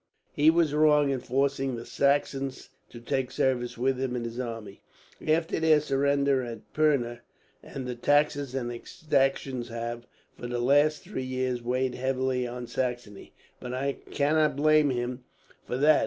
"He was wrong in forcing the Saxons to take service with him in his army, after their surrender at Pirna; and the taxes and exactions have, for the last three years, weighed heavily on Saxony, but I cannot blame him for that.